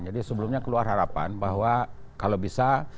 jadi sebelumnya keluar harapan bahwa kalau bisa